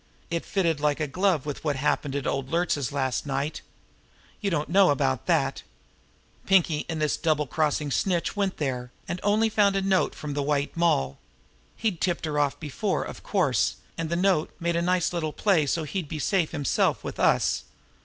It fitted like a glove with what happened at old Luertz's last night. You don't know about that. Pinkie and this double crossing snitch went there and only found a note from the White Moll. He'd tipped her off before, of course, and the note made a nice little play so's he'd be safe himself with us.